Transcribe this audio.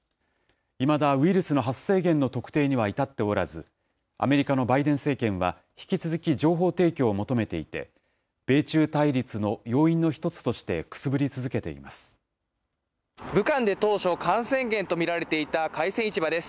いまだウイルスの発生源の特定には至っておらず、アメリカのバイデン政権は、引き続き情報提供を求めていて、米中対立の要因の一武漢で当初、感染源と見られていた海鮮市場です。